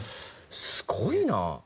すごいな。